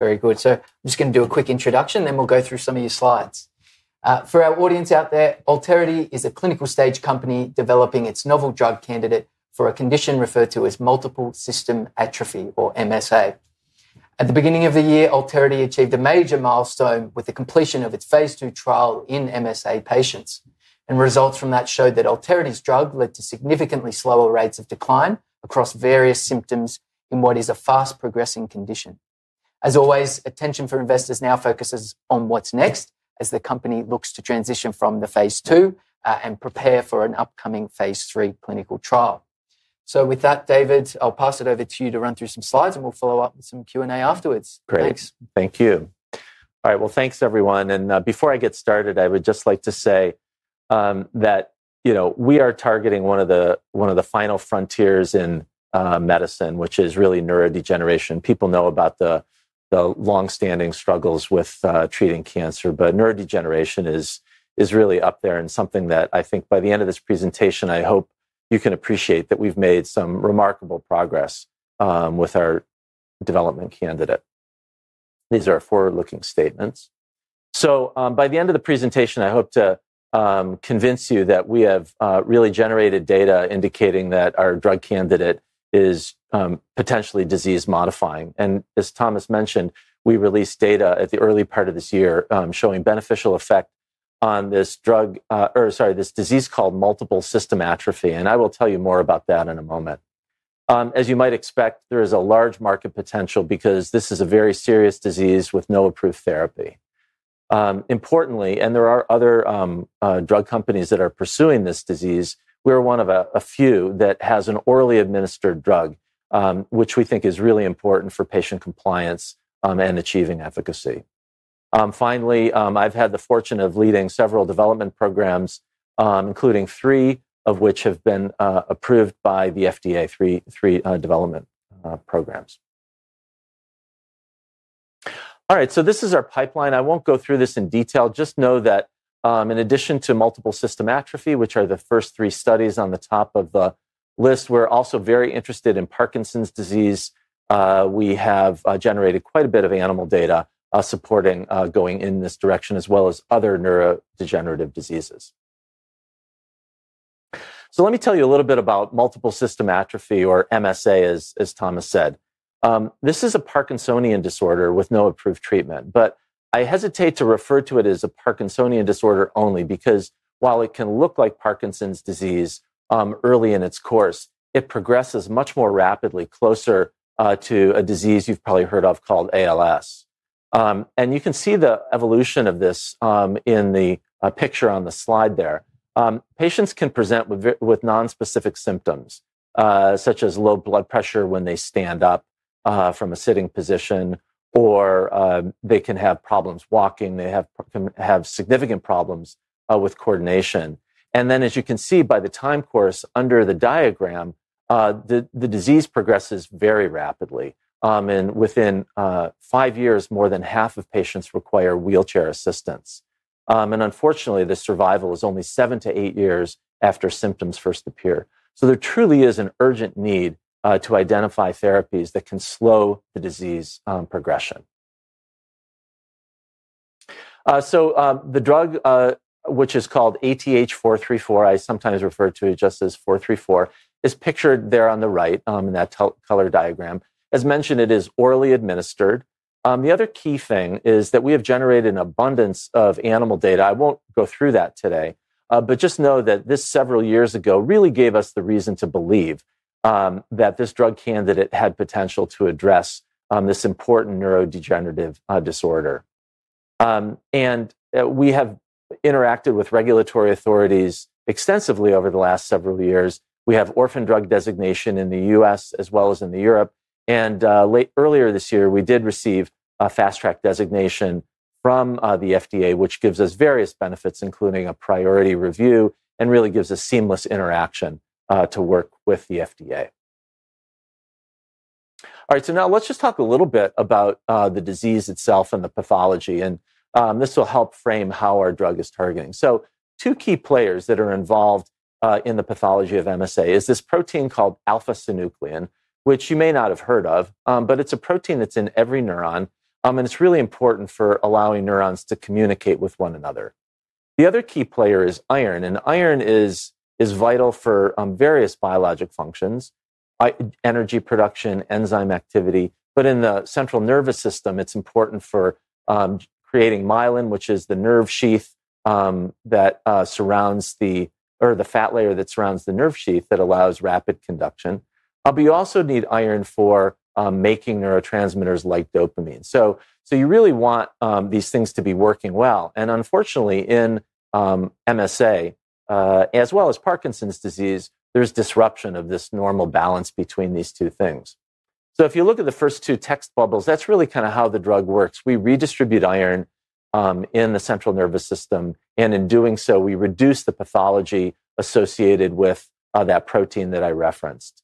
Very good. So I'm just going to do a quick introduction, then we'll go through some of your slides. For our audience out there, Alterity is a clinical stage company developing its novel drug candidate for a condition referred to as Multiple System Atrophy, or MSA. At the beginning of the year, Alterity achieved a major milestone with the completion of its phase II trial in MSA patients, and results from that showed that Alterity's drug led to significantly slower rates of decline across various symptoms in what is a fast-progressing condition. As always, attention for investors now focuses on what's next as the company looks to transition from the phase II and prepare for an upcoming phase III clinical trial. So with that, David, I'll pass it over to you to run through some slides, and we'll follow up with some Q&A afterwards. Great. Thank you. All right, thanks, everyone. Before I get started, I would just like to say that we are targeting one of the final frontiers in medicine, which is really neurodegeneration. People know about the long-standing struggles with treating cancer, but neurodegeneration is really up there and something that I think by the end of this presentation, I hope you can appreciate that we've made some remarkable progress with our development candidate. These are forward-looking statements. By the end of the presentation, I hope to convince you that we have really generated data indicating that our drug candidate is potentially disease-modifying. As Thomas mentioned, we released data at the early part of this year showing beneficial effect on this drug, or sorry, this disease called multiple system atrophy. I will tell you more about that in a moment. As you might expect, there is a large market potential because this is a very serious disease with no approved therapy. Importantly, and there are other drug companies that are pursuing this disease, we're one of a few that has an orally administered drug, which we think is really important for patient compliance and achieving efficacy. Finally, I've had the fortune of leading several development programs, including three of which have been approved by the FDA, three development programs. All right, this is our pipeline. I won't go through this in detail. Just know that in addition to multiple system atrophy, which are the first three studies on the top of the list, we're also very interested in Parkinson's disease. We have generated quite a bit of animal data supporting going in this direction, as well as other neurodegenerative diseases. Let me tell you a little bit about Multiple System Atrophy, or MSA, as Thomas said. This is a Parkinsonian disorder with no approved treatment, but I hesitate to refer to it as a Parkinsonian disorder only because while it can look like Parkinson's disease early in its course, it progresses much more rapidly, closer to a disease you've probably heard of called ALS. You can see the evolution of this in the picture on the slide there. Patients can present with nonspecific symptoms such as low blood pressure when they stand up from a sitting position, or they can have problems walking. They have significant problems with coordination. As you can see by the time course under the diagram, the disease progresses very rapidly. Within five years, more than half of patients require wheelchair assistance. Unfortunately, the survival is only 7-8 years after symptoms first appear. There truly is an urgent need to identify therapies that can slow the disease progression. The drug, which is called ATH-434, I sometimes refer to it just as 434, is pictured there on the right in that color diagram. As mentioned, it is orally administered. The other key thing is that we have generated an abundance of animal data. I will not go through that today, but just know that this several years ago really gave us the reason to believe that this drug candidate had potential to address this important neurodegenerative disorder. We have interacted with regulatory authorities extensively over the last several years. We have orphan drug designation in the U.S. as well as in Europe. Earlier this year, we did receive a fast-track designation from the FDA, which gives us various benefits, including a priority review and really gives us seamless interaction to work with the FDA. All right, now let's just talk a little bit about the disease itself and the pathology, and this will help frame how our drug is targeting. Two key players that are involved in the pathology of MSA is this protein called alpha-synuclein, which you may not have heard of, but it's a protein that's in every neuron, and it's really important for allowing neurons to communicate with one another. The other key player is iron, and iron is vital for various biologic functions, energy production, enzyme activity, but in the central nervous system, it's important for creating myelin, which is the nerve sheath that surrounds the, or the fat layer that surrounds the nerve sheath that allows rapid conduction. You also need iron for making neurotransmitters like dopamine. You really want these things to be working well. Unfortunately, in MSA, as well as Parkinson's disease, there's disruption of this normal balance between these two things. If you look at the first two text bubbles, that's really kind of how the drug works. We redistribute iron in the central nervous system, and in doing so, we reduce the pathology associated with that protein that I referenced.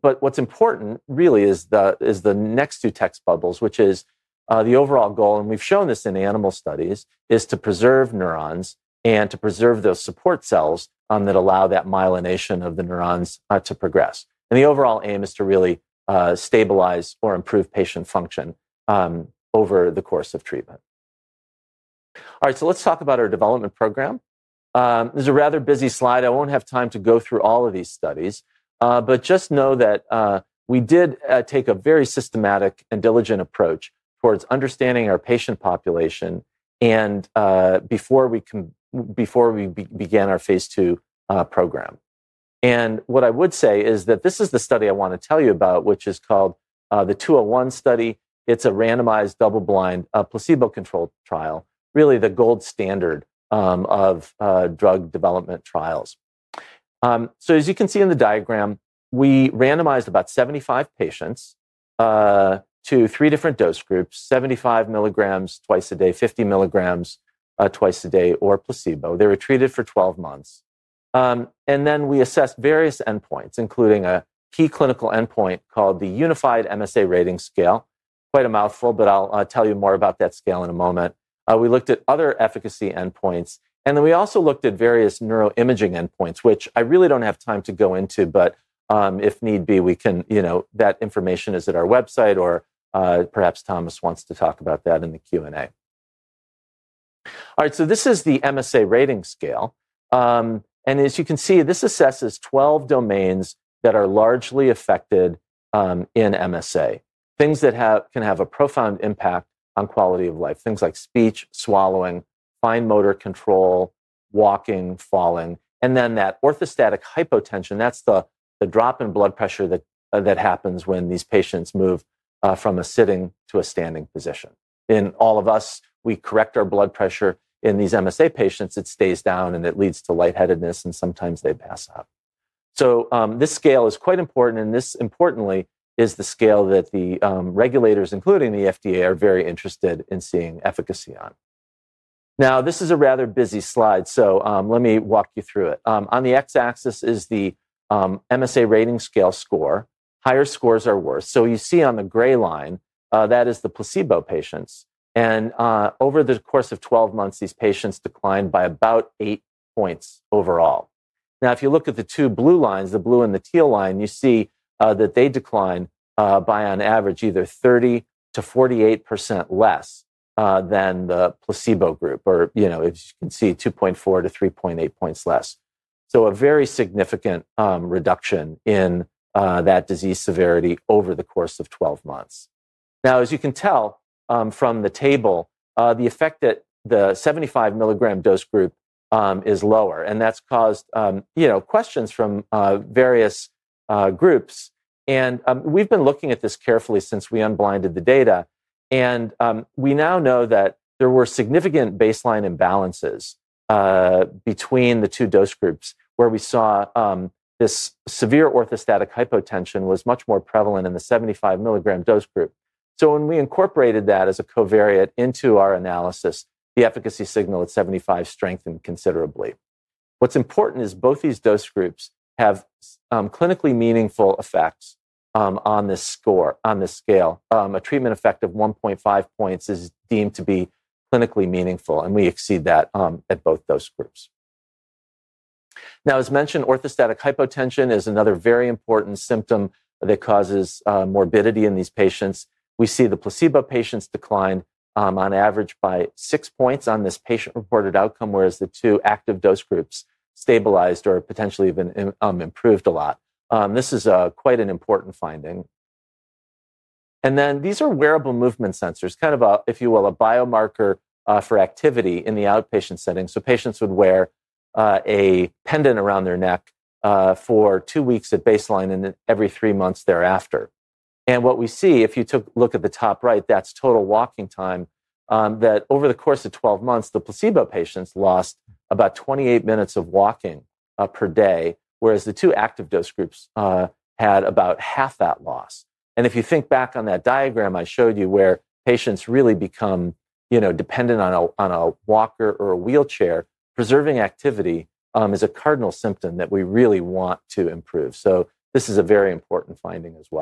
What's important really is the next two text bubbles, which is the overall goal, and we've shown this in animal studies, is to preserve neurons and to preserve those support cells that allow that myelination of the neurons to progress. The overall aim is to really stabilize or improve patient function over the course of treatment. All right, let's talk about our development program. This is a rather busy slide. I won't have time to go through all of these studies, but just know that we did take a very systematic and diligent approach towards understanding our patient population before we began our phase II program. What I would say is that this is the study I want to tell you about, which is called the 201 study. It's a randomized double-blind placebo-controlled trial, really the gold standard of drug development trials. As you can see in the diagram, we randomized about 75 patients to three different dose groups: 75 mg twice a day, 50 mg twice a day, or placebo. They were treated for 12 months. We assessed various endpoints, including a key clinical endpoint called the Unified MSA Rating Scale. Quite a mouthful, but I'll tell you more about that scale in a moment. We looked at other efficacy endpoints, and we also looked at various neuroimaging endpoints, which I really don't have time to go into, but if need be, we can. That information is at our website, or perhaps Thomas wants to talk about that in the Q&A. This is the MSA Rating Scale. As you can see, this assesses 12 domains that are largely affected in MSA, things that can have a profound impact on quality of life, things like speech, swallowing, fine motor control, walking, falling, and then that orthostatic hypotension. That is the drop in blood pressure that happens when these patients move from a sitting to a standing position. In all of us, we correct our blood pressure. In these MSA patients, it stays down, and it leads to lightheadedness, and sometimes they pass out. This scale is quite important, and this importantly is the scale that the regulators, including the FDA, are very interested in seeing efficacy on. Now, this is a rather busy slide, so let me walk you through it. On the x-axis is the MSA Rating Scale score. Higher scores are worse. You see on the gray line, that is the placebo patients. Over the course of 12 months, these patients declined by about eight points overall. If you look at the two blue lines, the blue and the teal line, you see that they decline by, on average, either 30%-48% less than the placebo group, or as you can see, 2.4-3.8 points less. A very significant reduction in that disease severity over the course of 12 months. As you can tell from the table, the effect that the 75 mg dose group is lower, and that's caused questions from various groups. We've been looking at this carefully since we unblinded the data, and we now know that there were significant baseline imbalances between the two dose groups where we saw this severe orthostatic hypotension was much more prevalent in the 75 mg dose group. When we incorporated that as a covariate into our analysis, the efficacy signal at 75 strengthened considerably. What's important is both these dose groups have clinically meaningful effects on this scale. A treatment effect of 1.5 points is deemed to be clinically meaningful, and we exceed that at both dose groups. Now, as mentioned, orthostatic hypotension is another very important symptom that causes morbidity in these patients. We see the placebo patients declined on average by six points on this patient-reported outcome, whereas the two active dose groups stabilized or potentially even improved a lot. This is quite an important finding. These are wearable movement sensors, kind of, if you will, a biomarker for activity in the outpatient setting. Patients would wear a pendant around their neck for two weeks at baseline and then every three months thereafter. What we see, if you look at the top right, that's total walking time, that over the course of 12 months, the placebo patients lost about 28 minutes of walking per day, whereas the two active dose groups had about half that loss. If you think back on that diagram I showed you where patients really become dependent on a walker or a wheelchair, preserving activity is a cardinal symptom that we really want to improve. This is a very important finding as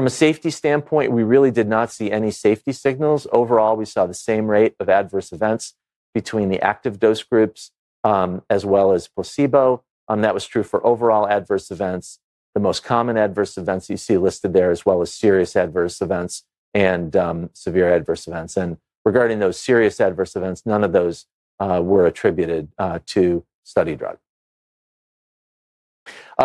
well. From a safety standpoint, we really did not see any safety signals. Overall, we saw the same rate of adverse events between the active dose groups as well as placebo. That was true for overall adverse events, the most common adverse events you see listed there, as well as serious adverse events and severe adverse events. Regarding those serious adverse events, none of those were attributed to study drug.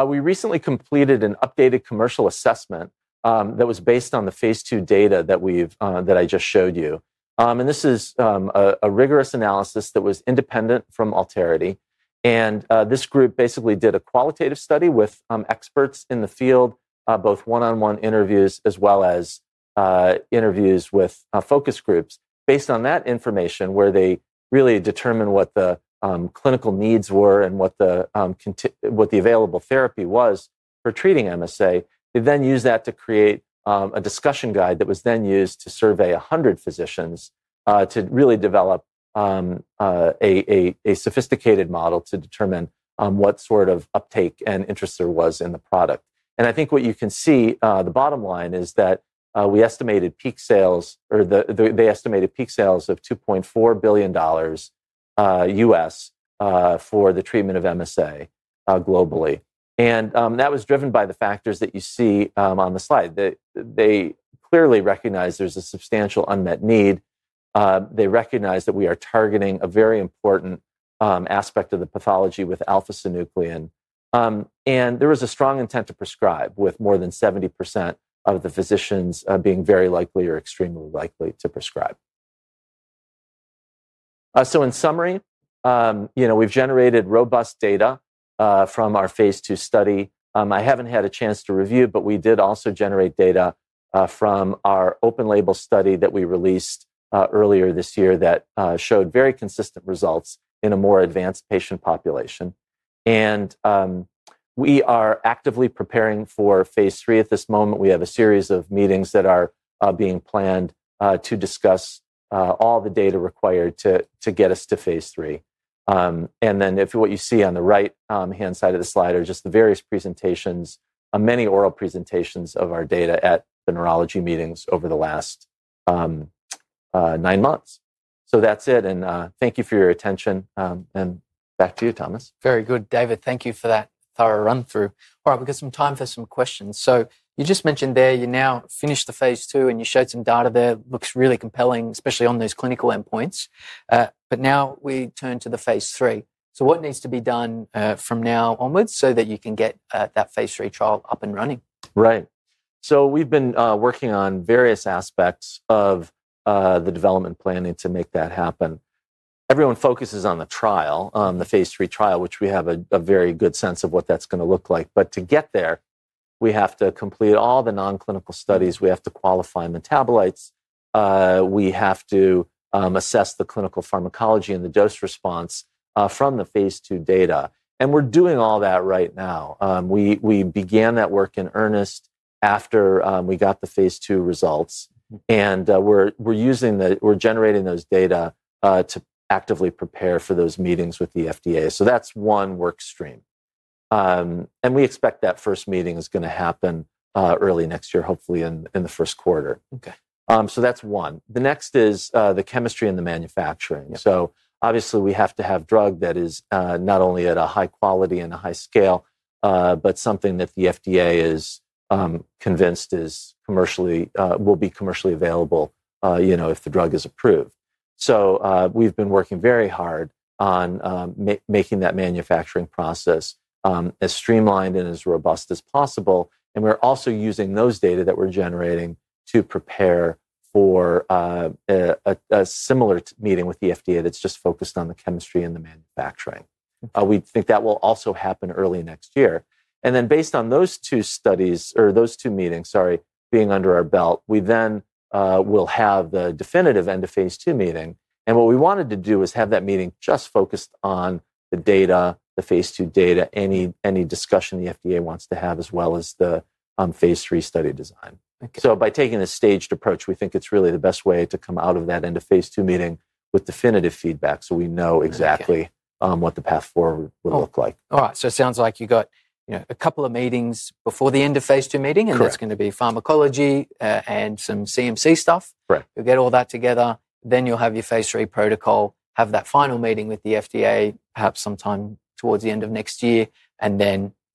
We recently completed an updated commercial assessment that was based on the phase II data that I just showed you. This is a rigorous analysis that was independent from Alterity. This group basically did a qualitative study with experts in the field, both one-on-one interviews as well as interviews with focus groups. Based on that information, where they really determined what the clinical needs were and what the available therapy was for treating MSA, they then used that to create a discussion guide that was then used to survey 100 physicians to really develop a sophisticated model to determine what sort of uptake and interest there was in the product. I think what you can see, the bottom line is that we estimated peak sales, or they estimated peak sales of $2.4 billion U.S. for the treatment of MSA globally. That was driven by the factors that you see on the slide. They clearly recognize there is a substantial unmet need. They recognize that we are targeting a very important aspect of the pathology with alpha-synuclein. There was a strong intent to prescribe, with more than 70% of the physicians being very likely or extremely likely to prescribe. In summary, we've generated robust data from our phase II study. I haven't had a chance to review, but we did also generate data from our open-label study that we released earlier this year that showed very consistent results in a more advanced patient population. We are actively preparing for phase III at this moment. We have a series of meetings that are being planned to discuss all the data required to get us to phase III. What you see on the right-hand side of the slide are just the various presentations, many oral presentations of our data at the neurology meetings over the last nine months. That is it, and thank you for your attention. Back to you, Thomas. Very good, David. Thank you for that thorough run-through. All right, we've got some time for some questions. You just mentioned there you now finished the phase II, and you showed some data there. Looks really compelling, especially on those clinical endpoints. Now we turn to the phase III. What needs to be done from now onwards so that you can get that phase III trial up and running? Right. So we've been working on various aspects of the development planning to make that happen. Everyone focuses on the trial, the phase III trial, which we have a very good sense of what that's going to look like. To get there, we have to complete all the non-clinical studies. We have to qualify metabolites. We have to assess the clinical pharmacology and the dose response from the phase II data. We're doing all that right now. We began that work in earnest after we got the phase II results, and we're generating those data to actively prepare for those meetings with the FDA. That's one work stream. We expect that first meeting is going to happen early next year, hopefully in the first quarter. That's one. The next is the chemistry and the manufacturing. Obviously, we have to have drug that is not only at a high quality and a high scale, but something that the FDA is convinced will be commercially available if the drug is approved. We've been working very hard on making that manufacturing process as streamlined and as robust as possible. We're also using those data that we're generating to prepare for a similar meeting with the FDA that's just focused on the chemistry and the manufacturing. We think that will also happen early next year. Based on those two studies, or those two meetings, sorry, being under our belt, we then will have the definitive end of phase II meeting. What we wanted to do is have that meeting just focused on the data, the phase II data, any discussion the FDA wants to have, as well as the phase III study design. By taking a staged approach, we think it's really the best way to come out of that end of phase II meeting with definitive feedback so we know exactly what the path forward will look like. All right. It sounds like you've got a couple of meetings before the end of phase II meeting, and that's going to be pharmacology and some CMC stuff. You'll get all that together. Then you'll have your phase III protocol, have that final meeting with the FDA, perhaps sometime towards the end of next year.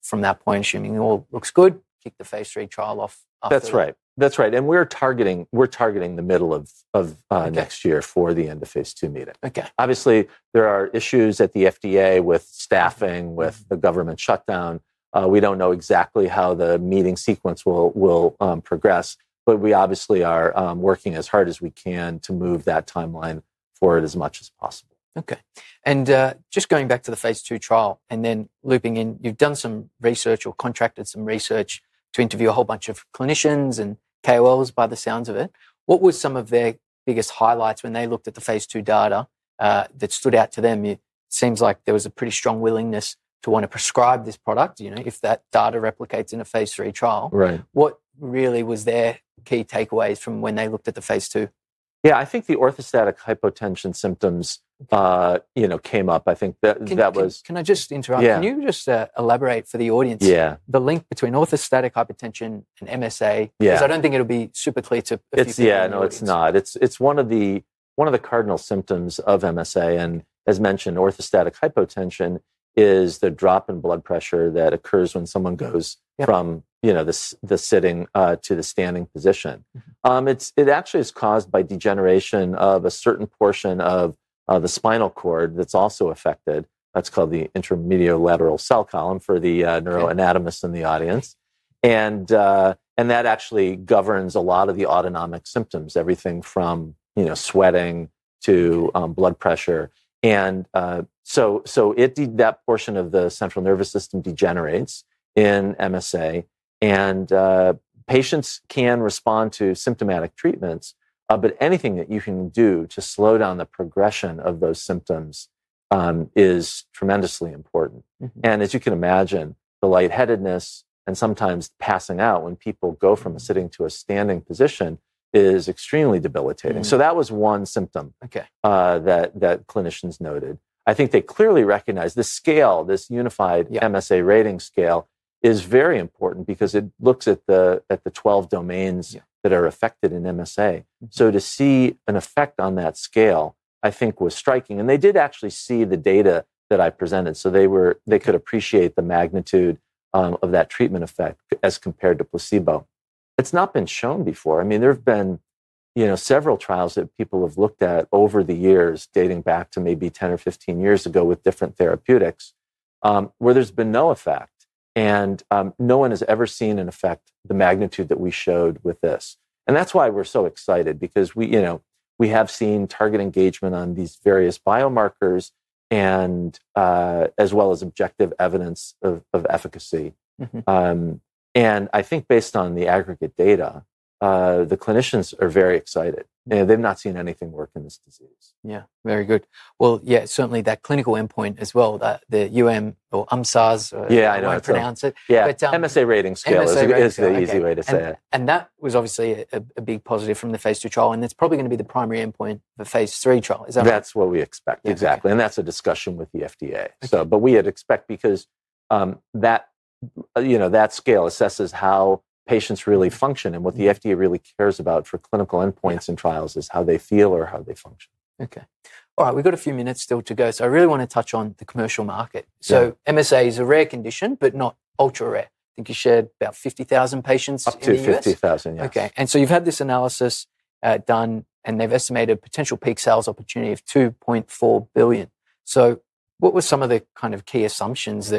From that point, assuming all looks good, kick the phase III trial off. That's right. That's right. We're targeting the middle of next year for the end of phase II meeting. Obviously, there are issues at the FDA with staffing, with the government shutdown. We don't know exactly how the meeting sequence will progress, but we obviously are working as hard as we can to move that timeline forward as much as possible. Okay. Just going back to the phase II trial and then looping in, you've done some research or contracted some research to interview a whole bunch of clinicians and KOLs, by the sounds of it. What were some of their biggest highlights when they looked at the phase II data that stood out to them? It seems like there was a pretty strong willingness to want to prescribe this product if that data replicates in a phase III trial. What really were their key takeaways from when they looked at the phase II? Yeah, I think the orthostatic hypotension symptoms came up. I think that was. Can I just interrupt? Can you just elaborate for the audience? Yeah. The link between orthostatic hypotension and MSA? Because I don't think it'll be super clear to people. Yeah, no, it's not. It's one of the cardinal symptoms of MSA. As mentioned, orthostatic hypotension is the drop in blood pressure that occurs when someone goes from the sitting to the standing position. It actually is caused by degeneration of a certain portion of the spinal cord that's also affected. That's called the intermediolateral cell column for the neuroanatomists in the audience. That actually governs a lot of the autonomic symptoms, everything from sweating to blood pressure. That portion of the central nervous system degenerates in MSA. Patients can respond to symptomatic treatments, but anything that you can do to slow down the progression of those symptoms is tremendously important. As you can imagine, the lightheadedness and sometimes passing out when people go from a sitting to a standing position is extremely debilitating. That was one symptom that clinicians noted. I think they clearly recognized the scale, this unified MSA rating scale, is very important because it looks at the 12 domains that are affected in MSA. To see an effect on that scale, I think, was striking. They did actually see the data that I presented. They could appreciate the magnitude of that treatment effect as compared to placebo. It's not been shown before. I mean, there have been several trials that people have looked at over the years, dating back to maybe 10 or 15 years ago with different therapeutics, where there's been no effect. No one has ever seen an effect, the magnitude that we showed with this. That's why we're so excited because we have seen target engagement on these various biomarkers as well as objective evidence of efficacy. I think based on the aggregate data, the clinicians are very excited. They've not seen anything work in this disease. Yeah, very good. Yeah, certainly that clinical endpoint as well, the or UMSARS, or however you want to pronounce it. Yeah, MSA Rating Scale is the easy way to say it. That was obviously a big positive from the phase II trial. It's probably going to be the primary endpoint of a phase III trial, is that right? That's what we expect, exactly. That's a discussion with the FDA. We expect because that scale assesses how patients really function. What the FDA really cares about for clinical endpoints and trials is how they feel or how they function. Okay. All right, we've got a few minutes still to go. I really want to touch on the commercial market. MSA is a rare condition, but not ultra rare. I think you shared about 50,000 patients in the U.S. Up to 50,000, yes. Okay. And so you've had this analysis done, and they've estimated a potential peak sales opportunity of $2.4 billion. What were some of the kind of key assumptions?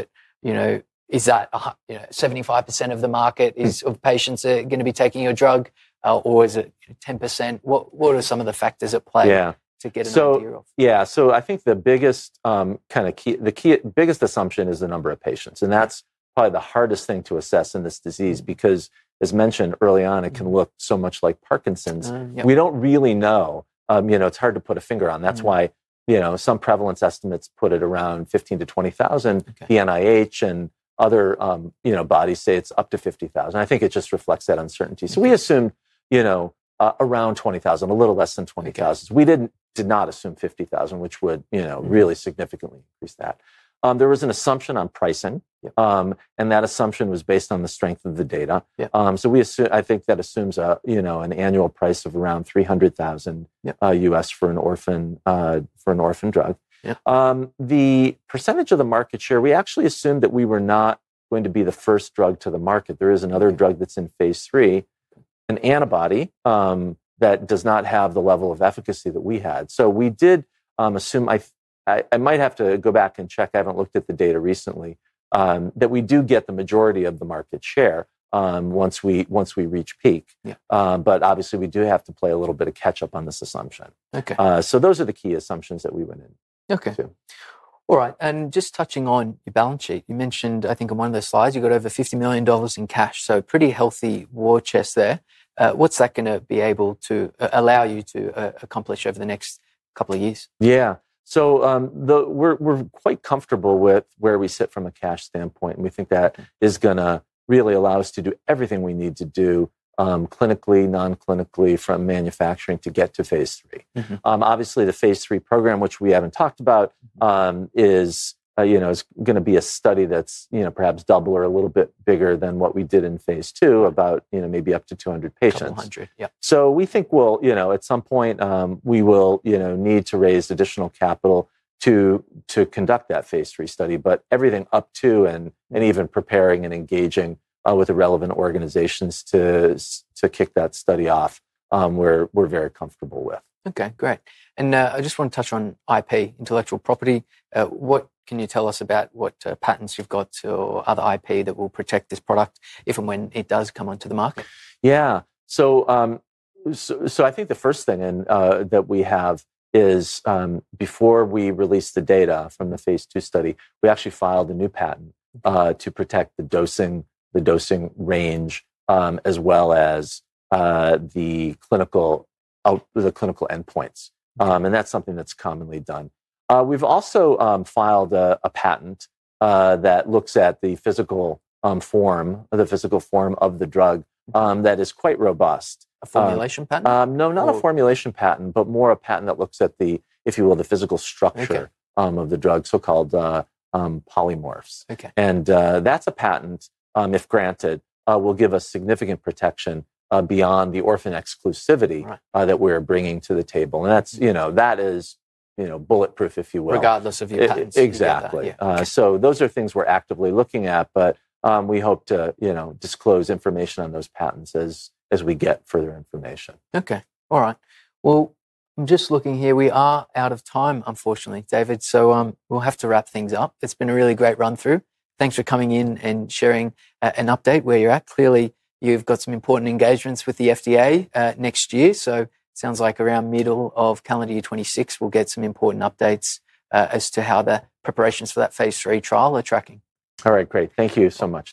Is that 75% of the market of patients are going to be taking your drug, or is it 10%? What are some of the factors at play to get an idea of? Yeah. I think the biggest kind of key, the biggest assumption, is the number of patients. That's probably the hardest thing to assess in this disease because, as mentioned early on, it can look so much like Parkinson's. We don't really know. It's hard to put a finger on. That's why some prevalence estimates put it around 15,000-20,000. The NIH and other bodies say it's up to 50,000. I think it just reflects that uncertainty. We assumed around 20,000, a little less than 20,000. We did not assume 50,000, which would really significantly increase that. There was an assumption on pricing, and that assumption was based on the strength of the data. I think that assumes an annual price of around $300,000 U.S. for an orphan drug. The percentage of the market share, we actually assumed that we were not going to be the first drug to the market. There is another drug that's in phase III, an antibody that does not have the level of efficacy that we had. We did assume I might have to go back and check. I haven't looked at the data recently, that we do get the majority of the market share once we reach peak. Obviously, we do have to play a little bit of catch-up on this assumption. Those are the key assumptions that we went into. Okay. All right. And just touching on your balance sheet, you mentioned, I think, on one of the slides, you've got over $50 million in cash. So pretty healthy war chest there. What's that going to be able to allow you to accomplish over the next couple of years? Yeah. So we're quite comfortable with where we sit from a cash standpoint. We think that is going to really allow us to do everything we need to do clinically, non-clinically, from manufacturing to get to phase III. Obviously, the phase III program, which we haven't talked about, is going to be a study that's perhaps double or a little bit bigger than what we did in phase II, about maybe up to 200 patients. Up to 100, yeah. We think, at some point, we will need to raise additional capital to conduct that phase III study. Everything up to and even preparing and engaging with the relevant organizations to kick that study off, we're very comfortable with. Okay, great. I just want to touch on IP, intellectual property. What can you tell us about what patents you've got or other IP that will protect this product if and when it does come onto the market? Yeah. I think the first thing that we have is before we released the data from the phase II study, we actually filed a new patent to protect the dosing, the dosing range, as well as the clinical endpoints. That's something that's commonly done. We've also filed a patent that looks at the physical form of the drug that is quite robust. A formulation patent? No, not a formulation patent, but more a patent that looks at the, if you will, the physical structure of the drug, so-called polymorphs. That is a patent, if granted, will give us significant protection beyond the orphan exclusivity that we're bringing to the table. That is bulletproof, if you will. Regardless of your patents. Exactly. Those are things we're actively looking at, but we hope to disclose information on those patents as we get further information. Okay. All right. I'm just looking here. We are out of time, unfortunately, David. We'll have to wrap things up. It's been a really great run-through. Thanks for coming in and sharing an update where you're at. Clearly, you've got some important engagements with the FDA next year. It sounds like around middle of calendar year 2026, we'll get some important updates as to how the preparations for that phase three trial are tracking. All right, great. Thank you so much.